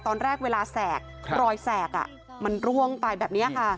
ตอนแรกเวลาแสกรอยแสกมันร่วงไปแบบนี้ค่ะ